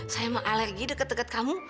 saya mah alergi deket deket kamu